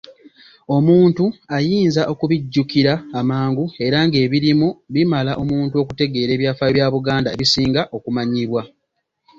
Omuntu ayinza okubijjukira amangu era ng'ebirimu bimala omuntu okutegeera ebyafaayo bya Buganda ebisinga okumanyibwa.